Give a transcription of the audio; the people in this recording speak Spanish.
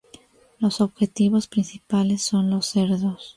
Los objetivos principales son los cerdos.